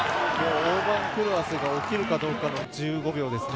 大番狂わせが起きるかどうかの１５秒ですね。